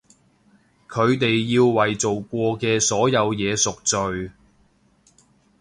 佢哋要為做過嘅所有嘢贖罪！